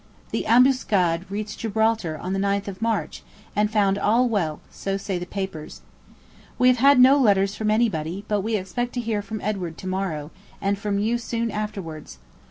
The "Ambuscade" reached Gibraltar on the 9th of March, and found all well; so say the papers. We have had no letters from anybody, but we expect to hear from Edward to morrow, and from you soon afterwards.